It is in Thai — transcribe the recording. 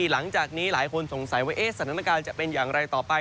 หลังจากนี้หลายคนสงสัยว่าสถานการณ์จะเป็นอย่างไรต่อไป